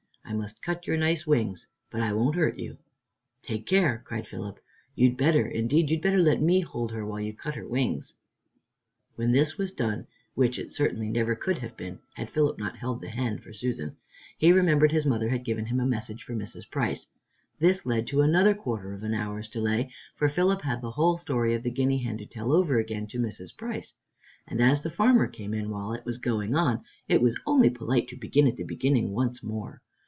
I must cut your nice wings, but I won't hurt you." "Take care!" cried Philip, "you'd better, indeed you'd better let me hold her, while you cut her wings." When this was done, which it certainly never could have been had Philip not held the hen for Susan, he remembered his mother had given him a message for Mrs. Price. This led to another quarter of an hour's delay, for Philip had the whole story of the guinea hen to tell over again to Mrs. Price, and as the farmer came in while it was going on, it was only polite to begin at the beginning once more.